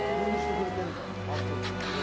あったかい。